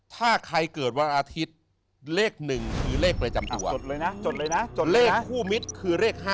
ถ้าใครเกิดวันอาทิตย์เลข๑คือเลขประจำตัวจดเลยนะจดเลยนะจดเลขคู่มิตรคือเลข๕